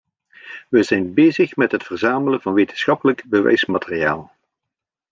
We zijn bezig met het verzamelen van wetenschappelijk bewijsmateriaal.